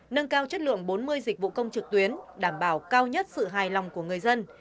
nâng cao chất lượng bốn mươi dịch vụ công trực tuyến đảm bảo cao nhất sự hài lòng của người dân